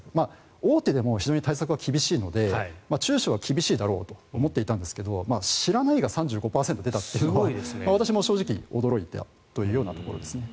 大手でも非常に対策は厳しいので中小は厳しいだろうと思っていたんですが知らないが３５％出たというのは私も正直驚いたというようなところです。